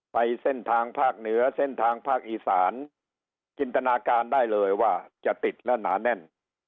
ไปเส้นทางภาคเหนือเส้นทางภาคอีสานจินตนาการได้เลยว่าจะติดและหนาแน่น